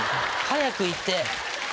早く行って！